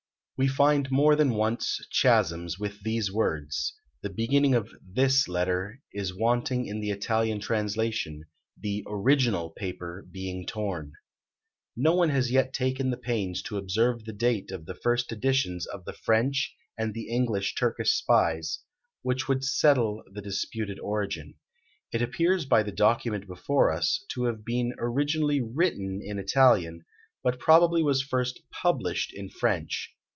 We find more than once chasms, with these words: "the beginning of this letter is wanting in the Italian translation; the original paper being torn." No one has yet taken the pains to observe the date of the first editions of the French and the English Turkish Spies, which would settle the disputed origin. It appears by the document before us, to have been originally written in Italian, but probably was first published in French.